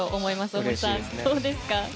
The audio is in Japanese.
大森さん、どうですか？